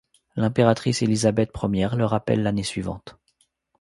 L'impératrice Élisabeth I le rappelle l'année suivante.